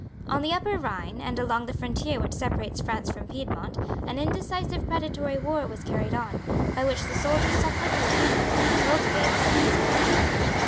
On the Upper Rhine, and along the frontier which separates France from Piedmont, an indecisive predatory war was carried on, by which the soldiers suffered little and the cultivators of the soil much.